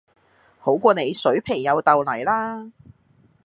好過你水皮又豆泥啦